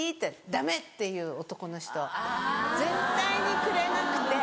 「ダメ」って言う男の人絶対にくれなくて。